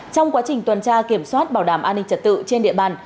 trong quá trình tuần tra kiểm soát bảo đảm an ninh trật tự trên địa bàn